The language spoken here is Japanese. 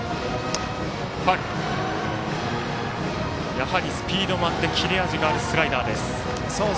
やはりスピードもあって切れ味もあるスライダーです。